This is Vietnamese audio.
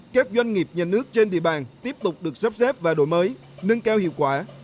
các doanh nghiệp nhà nước trên địa bàn tiếp tục được sắp xếp và đổi mới nâng cao hiệu quả